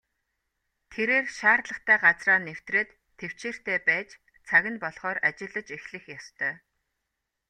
Тэрээр шаардлагатай газраа нэвтрээд тэвчээртэй байж цаг нь болохоор ажиллаж эхлэх ёстой.